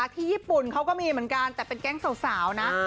ที่ญี่ปุ่นเขาก็มีเหมือนกันแต่เป็นแก๊งสาวนะ